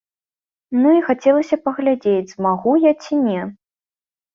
Ну і хацелася паглядзець, змагу я ці не.